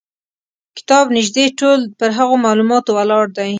کتاب نیژدې ټول پر هغو معلوماتو ولاړ دی.